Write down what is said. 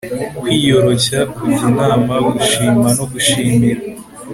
kwiyoroshya, kujya inama, gushima no gushimira